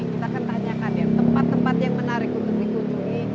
kita akan tanyakan tempat tempat yang menarik untuk ditutupi